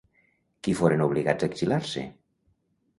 Qui foren obligats a exiliar-se?